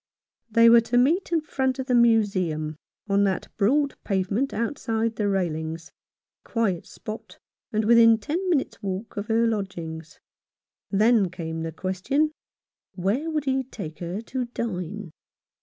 They were to meet in front of the Museum — on that broad pavement outside the railings — a quiet spot, and within ten minutes' walk of her lodgings. Then came the question, Where would he take her to dine